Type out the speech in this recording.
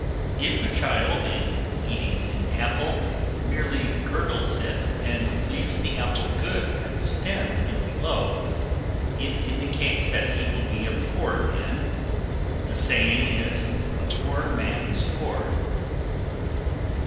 If a child in eating an apple merely girdles it and leaves the apple good at stem and below, it indicates that he will be a poor man; the saying is, "a poor man's core."